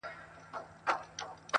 o چرگه چي چاغېږي، کونه ېې تنگېږي٫